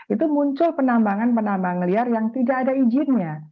itu muncul penambangan penambang liar yang tidak ada izinnya